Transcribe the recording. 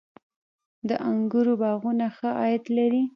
د انګورو باغونه ښه عاید لري؟